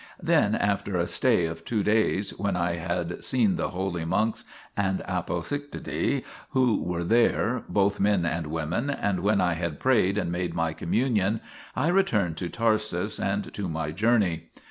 Then, after a stay of two days, when I had seen the holy monks and apotactitae who were there, both men and women, and when I had prayed and made my communion, I returned to Tarsus and to my journey.